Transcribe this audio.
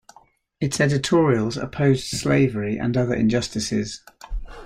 Its editorials opposed slavery and other injustices.